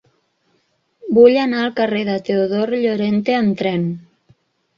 Vull anar al carrer de Teodor Llorente amb tren.